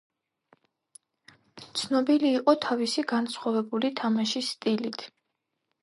ცნობილი იყო თავისი განსხვავებული თამაშის სტილით.